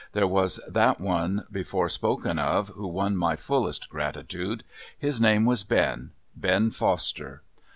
There was that one before spoken of who won my fullest gratitude. His name was Ben Ben Foster.